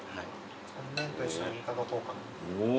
この麺と一緒にいただこうかな。